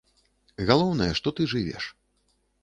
Галоўнае, што ты жывеш.